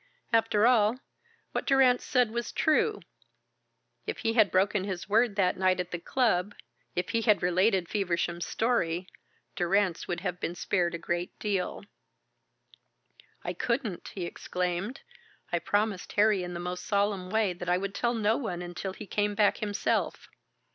After all, what Durrance said was true. If he had broken his word that night at the club, if he had related Feversham's story, Durrance would have been spared a great deal. "I couldn't!" he exclaimed. "I promised Harry in the most solemn way that I would tell no one until he came back himself.